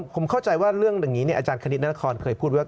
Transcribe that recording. ผมเข้าใจว่าเรื่องอย่างนี้อาจารย์คณิตนครเคยพูดว่า